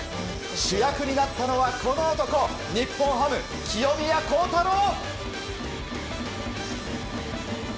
主役になったのはこの男日本ハム、清宮幸太郎。